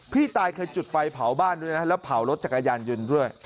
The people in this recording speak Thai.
พี่ตายเคยจุดไฟเผาบ้านด้วยนะแล้วเผารถจักรยานยนต์ด้วย